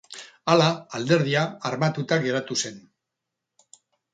Hala, Alderdia armatuta geratu zen.